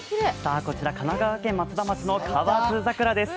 こちら、神奈川県松田町の河津桜です。